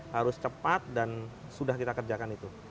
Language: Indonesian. harus cepat dan sudah kita kerjakan itu